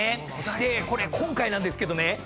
これ今回なんですけどね